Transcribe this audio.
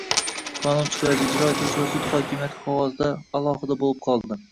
Qonun chiqaruvchi, ijro etuvchi va sud hokimiyati qog'ozda alohida bo'lib qoldi